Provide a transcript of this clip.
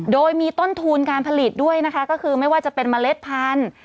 โดยมีต้นทุนการผลิตด้วยนะคะก็คือไม่ว่าจะเป็นเมล็ดพันธุ์